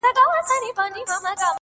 • زه به نه یم ستا جلګې به زرغونې وي ,